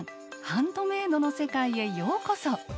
ハンドメイドの世界へようこそ！